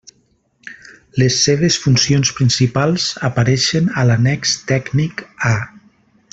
Les seves funcions principals apareixen a l'annex tècnic A.